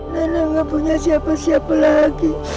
nenek gak punya siapa siapa lagi